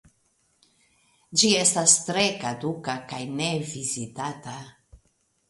Ĝi estas tre kaduka kaj ne vizitata.